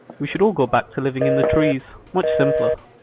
We should all go back to living in the trees, much simpler.